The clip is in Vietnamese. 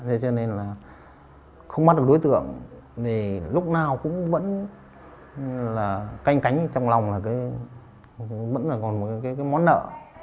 thế cho nên là không bắt được đối tượng thì lúc nào cũng vẫn là canh cánh trong lòng là vẫn là còn một cái món nợ